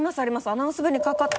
アナウンス部にかかっ。